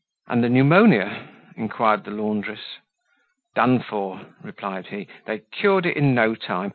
"And the pneumonia?" inquired the laundress. "Done for!" replied he. "They cured it in no time.